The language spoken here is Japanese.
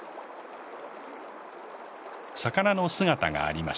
魚の姿がありました。